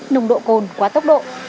nồng độ cồn quá tốc độ